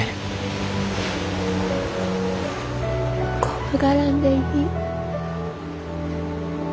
怖がらんでいい。